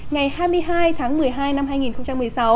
ngày hai mươi hai tháng một mươi hai năm hai nghìn một mươi sáu